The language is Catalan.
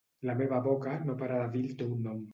La meva boca no para de dir el teu nom.